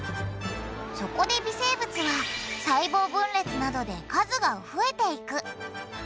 そこで微生物は細胞分裂などで数が増えていく。